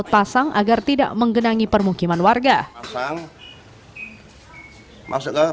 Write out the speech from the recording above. petugas juga akan dikonsumsi dengan barang barang di dalam rumah